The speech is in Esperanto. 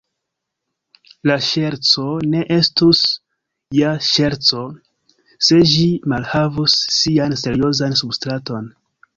La ŝerco ne estus ja ŝerco, se ĝi malhavus sian seriozan substraton.